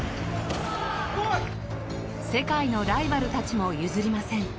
世界のライバルたちも譲りません。